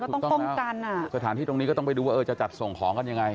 ต้องหาทางตรงนี้ก็ต้องไปดูว่าจะจัดส่งของกันยังไง